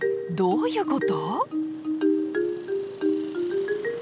どういうこと？